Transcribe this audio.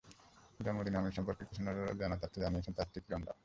জন্মদিনে আমিরের সম্পর্কে কিছু অজানা তথ্য জানিয়েছেন তাঁর স্ত্রী কিরণ রাও।